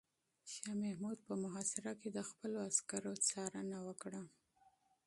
شاه محمود په محاصره کې د خپلو عسکرو څارنه وکړه.